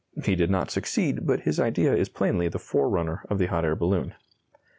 He did not succeed, but his idea is plainly the forerunner of the hot air balloon.